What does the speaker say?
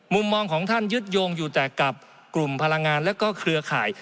มุมมองของท่านยึดโยงอยู่แต่กับกลุ่มพลังงานและก็เครือข่าย